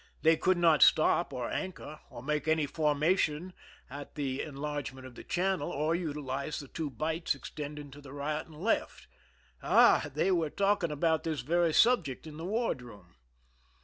They could not stop or anchor, or make any formation at the en largement of the channel, or utilize the two bights extending to the right and left. Ah, they were talking about this very subject in the ward room!